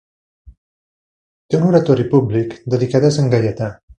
Té un oratori públic dedicat a Sant Gaietà.